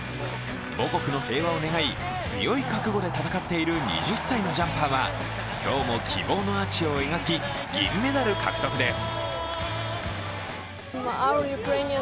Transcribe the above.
母国の平和を願い、強い覚悟で戦っている２０歳のジャンパーは今日も希望のアーチを描き、銀メダル獲得です。